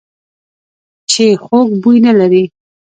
چې خوږ بوی نه لري .